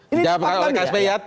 ini cepat kan ya